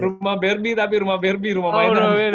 rumah berbi tapi rumah berbi rumah mainan